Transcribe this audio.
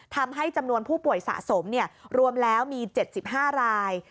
ทำให้จำนวนผู้ป่วยสะสมรวมแล้วมี๗๕ราย